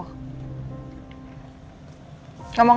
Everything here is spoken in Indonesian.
yang itu begini